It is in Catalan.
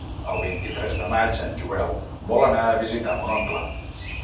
El vint-i-tres de maig en Joel vol anar a visitar mon oncle.